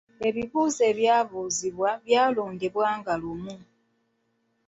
Ebibuuzo ebyabuuzibwa byalondeddwa nga lumu.